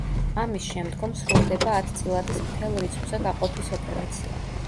ამის შემდგომ სრულდება ათწილადის მთელ რიცხვზე გაყოფის ოპერაცია.